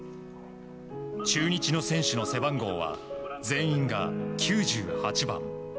中日の選手の背番号は全員が９８番。